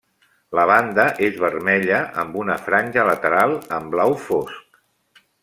La banda és vermella amb una franja lateral en blau fosc.